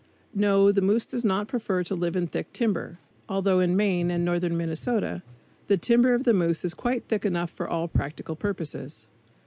No; the moose does not prefer to live in thick timber; although in Maine and northern Minnesota the timber of the moose is quite thick enough for all practical purposes.